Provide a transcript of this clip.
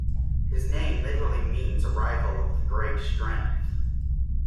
His name literally means "arrival of the great strength".